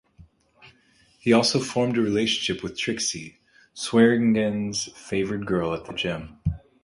He also formed a relationship with Trixie, Swearengen's favored girl at The Gem.